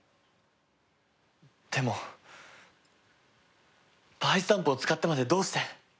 でもバイスタンプを使ってまでどうして。